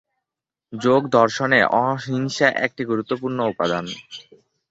যোগদর্শনে অহিংসা একটি গুরুত্বপূর্ণ উপাদান।